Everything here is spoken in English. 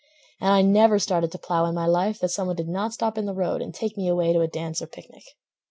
And I never started to plow in my life That some one did not stop in the road And take me away to a dance or picnic.